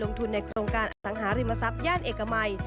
ลงทุนในโครงการอสังหาริมทรัพย่านเอกมัย